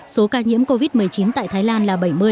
số ca nhiễm covid một mươi chín tại thái lan là bảy mươi